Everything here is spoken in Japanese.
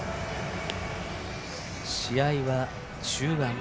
試合は中盤。